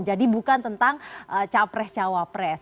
jadi bukan tentang capres cawapres